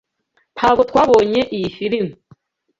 Ntabwo twabonye iyi firime.